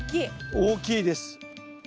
大きいです。